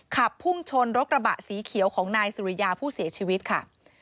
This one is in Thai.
ขับพุ่งชนรถกระบะสีเขียวของนายสุริยาผู้เสียชีวิตค่ะ